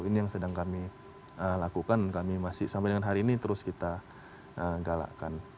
ini yang sedang kami lakukan kami masih sampai dengan hari ini terus kita galakkan